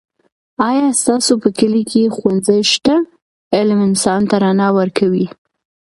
آیا ستاسو په کلي کې ښوونځی شته؟ علم انسان ته رڼا ورکوي.